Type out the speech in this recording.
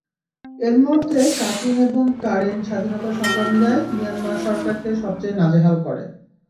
এগুলোর মধ্যে কাচিন এবং কারেন স্বাধীনতাসংগ্রামীরাই মিয়ানমার সরকারকে সবচেয়ে নাজেহাল করে।